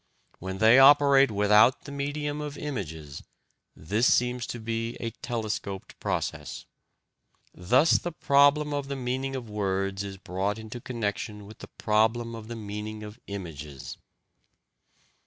When they operate without the medium of images, this seems to be a telescoped process. Thus the problem of the meaning of words is brought into connection with the problem of the meaning of images.